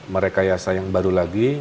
merekayasa yang baru lagi